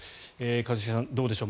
一茂さん、どうでしょう。